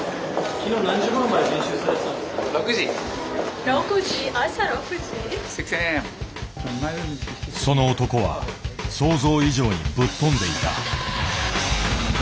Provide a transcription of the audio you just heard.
その男は想像以上にぶっ飛んでいた。